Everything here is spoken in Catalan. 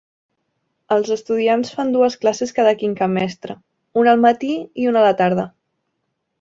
Els estudiants fan dues classes cada quinquemestre, una al matí i una a la tarda.